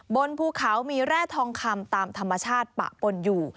บนภูเขามีแร่ทองคำตามธรรมชาติปะปนอยู่